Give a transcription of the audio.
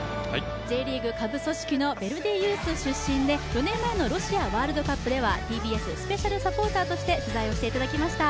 Ｊリーグ下部組織のヴェルディユース出身で４年前のロシアワールドカップではＴＢＳスペシャルサポーターとして取材をしていただきました。